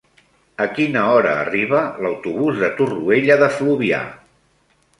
A quina hora arriba l'autobús de Torroella de Fluvià?